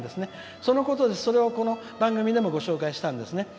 そのことで、この番組でもご紹介したんですね。